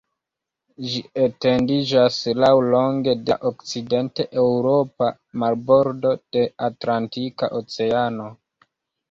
Ĝi etendiĝas laŭlonge de la okcident-eŭropa marbordo de Atlantika Oceano.